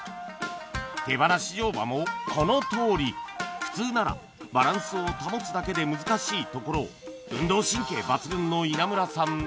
手放し乗馬もこの通り普通ならバランスを保つだけで難しいところを運動神経抜群の稲村さん